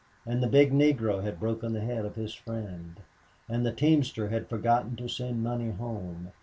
And the big Negro had broken the head of his friend. And the teamster had forgotten to send money home.